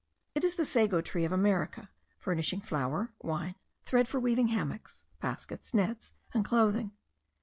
It is the sago tree of America, furnishing flour, wine, thread for weaving hammocks, baskets, nets, and clothing.